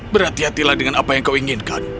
berhati hatilah dengan apa yang kau inginkan